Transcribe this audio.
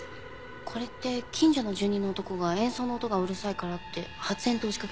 これって近所の住人の男が演奏の音がうるさいからって発煙筒を仕掛けた事件ですよね？